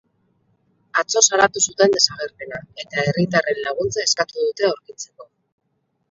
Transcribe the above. Atzo salatu zuten desagerpena, eta herritarren laguntza eskatu dute aurkitzeko.